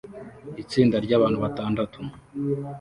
Itsinda ryabantu batandatu